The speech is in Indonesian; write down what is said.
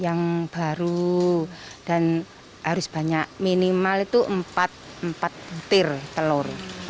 yang bagus yang baru dan harus banyak minimal itu empat butir telur